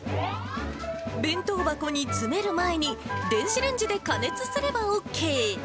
弁当箱に詰める前に電子レンジで加熱すればＯＫ。